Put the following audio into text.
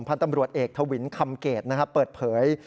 พันธ์ตำรวจเอกทวินคำเกตเปิดเผย